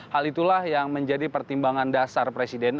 hal itulah yang menjadi pertimbangan dasar presiden